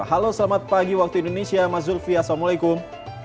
halo selamat pagi waktu indonesia mas zulfi assalamualaikum